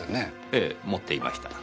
ええ持っていました。